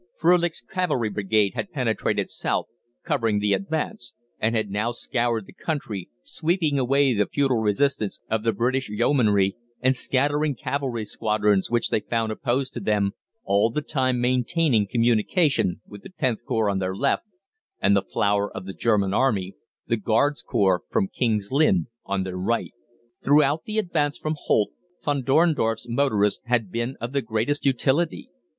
Frölich's cavalry brigade had penetrated south, covering the advance, and had now scoured the country, sweeping away the futile resistance of the British Yeomanry, and scattering cavalry squadrons which they found opposed to them, all the time maintaining communication with the Xth Corps on their left, and the flower of the German Army, the Guards Corps, from King's Lynn, on their right. Throughout the advance from Holt, Von Dorndorf's motorists had been of the greatest utility.